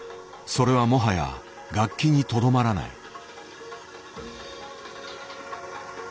それはもはや楽器にとどまらない。